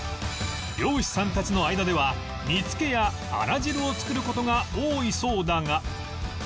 漁師さんたちの間では煮付けやあら汁を作る事が多いそうだが